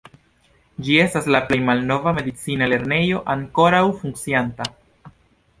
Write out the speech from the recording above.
Ĝi estas la plej malnova medicina lernejo ankoraŭ funkcianta.